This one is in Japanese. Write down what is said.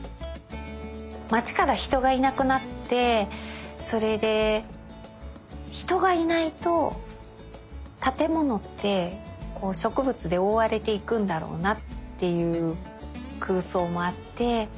街から人がいなくなってそれで人がいないと建物って植物でおおわれていくんだろうなっていう空想もあって。